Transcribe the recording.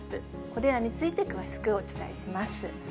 これらについて詳しくお伝えします。